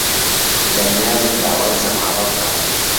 بەنیازم داوای زەمالە بکەم.